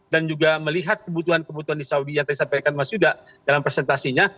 dan juga melihat kebutuhan kebutuhan di saudi yang tadi sampaikan mas yuda dalam presentasinya